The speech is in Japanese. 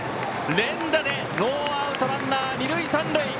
連打でノーアウトランナー、二塁三塁！